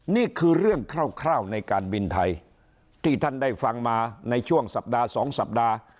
นี่คือเรื่องคร่าวในการบินไทยที่ท่านได้ฟังมาในช่วงสัปดาห์๒สัปดาห์